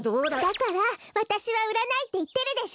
だからわたしはうらないっていってるでしょ！